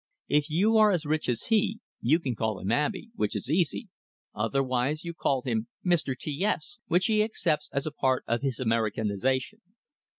If you are as rich as he, you call him Abey, which is easy; otherwise, you call him Mr. T S, which he accepts as a part of his Americanization.